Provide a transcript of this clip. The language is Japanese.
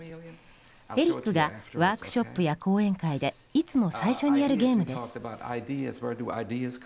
エリックがワークショップや講演会でいつも最初にやるゲームです。